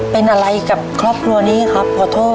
เป็นอะไรกับครอบครัวนี้ครับขอโทษ